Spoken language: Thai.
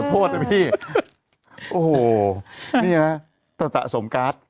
โทษนะพี่โอ้โหนี่นะสะสมการ์ด